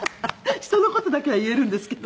人の事だけは言えるんですけどね。